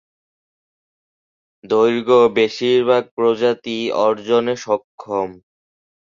দৈর্ঘ্য বেশিরভাগ প্রজাতিই অর্জনে সক্ষম।